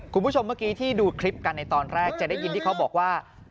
คุณผู้ชมเมื่อกี้ที่ดูคลิปกันในตอนแรกจะได้ยินที่เขาบอกว่า